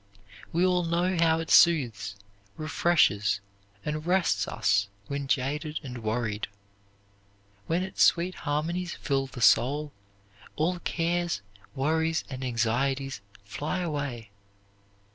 We all know how it soothes, refreshes, and rests us when jaded and worried. When its sweet harmonies fill the soul, all cares, worries, and anxieties fly away.